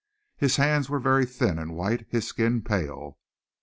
His hands were very thin and white, his skin pale.